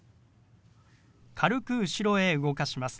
軽く後ろへ動かします。